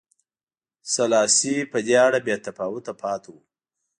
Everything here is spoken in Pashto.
سلاسي په دې اړه بې تفاوته پاتې و.